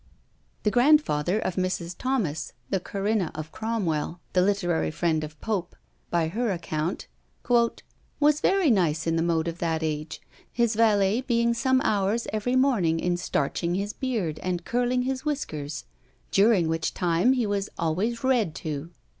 The grandfather of Mrs. Thomas, the Corinna of Cromwell, the literary friend of Pope, by her account, "was very nice in the mode of that age, his valet being some hours every morning in starching his beard and curling his whiskers; during which time he was always read to."